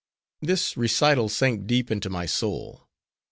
'" This recital sank deep into my soul.